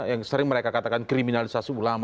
yang sering mereka katakan kriminalisasi ulama